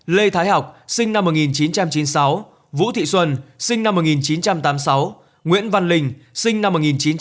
lê thái học sinh năm một nghìn chín trăm chín mươi sáu vũ thị xuân sinh năm một nghìn chín trăm tám mươi sáu nguyễn văn linh sinh năm một nghìn chín trăm tám mươi